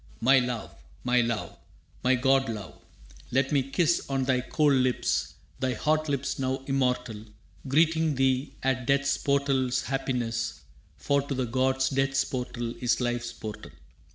«My love, my love! My god love! Let me kiss On thy cold lips thy hot lips now immortal, Greeting thee at Death's portal's happiness, For to the gods Death's portal is Life's portal.